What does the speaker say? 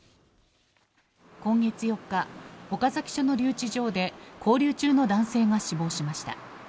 今月４日岡崎署の留置場で勾留中の男性が死亡しました。